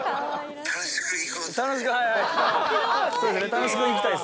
楽しくはいはい。